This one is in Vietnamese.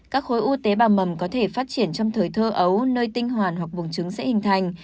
các khối u tế bào mầm có thể phát triển trong thời thơ ấu nơi tinh hoàn hoặc vùng trứng sẽ hình thành